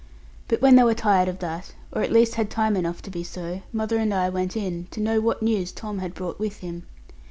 But when they were tired of that, or at least had time enough to do so, mother and I went in to know what news Tom had brought with him.